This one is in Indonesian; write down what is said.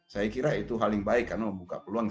saya kira itu hal yang baik karena membuka peluang